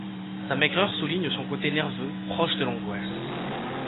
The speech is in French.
Sa maigreur souligne son côté nerveux, proche de l’angoisse.